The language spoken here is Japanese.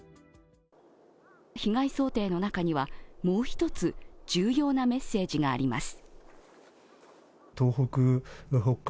被害想定の中にはもう一つ、重要なメッセージがあります。